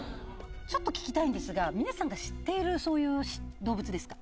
ちょっと聞きたいんですが皆さんが知っている動物ですか？